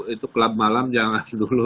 itu klub malam jangan dulu